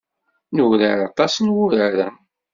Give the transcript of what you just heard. Nurar aṭas n wuraren.